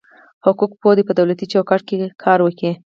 حقوق پوه دي په دولتي چوکاټ کي کار وکي.